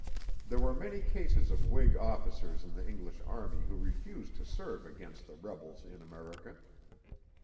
There were many cases of Whig officers in the English army who refused to serve against the rebels in America.